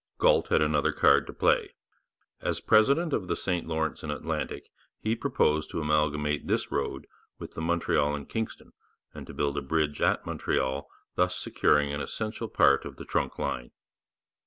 Galt had another card to play. As president of the St Lawrence and Atlantic he proposed to amalgamate this road with the Montreal and Kingston, and to build a bridge at Montreal, thus securing an essential part of the trunk line.